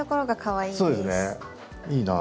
いいなぁ。